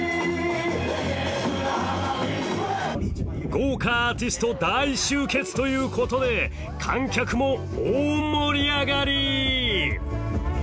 豪華アーティスト大集結ということで観客も大盛り上がり。